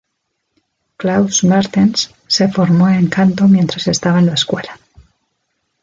Klaus Mertens se formó en canto mientras estaba en la escuela.